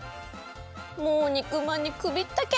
もう肉まんにくびったけ！